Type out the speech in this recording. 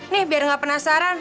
nih biar nggak penasaran